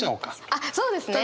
あっそうですね！